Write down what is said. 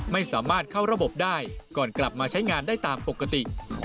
ไม่สามารถเข้าระบบได้ก่อนกลับมาใช้งานได้ตามปกติ